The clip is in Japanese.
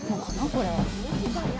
これは。